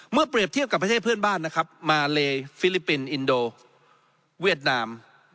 เมื่อเปรียบเทียบกับประเทศเพื่อนบ้านมาเลฟิลิปปินินโดเวียดนาม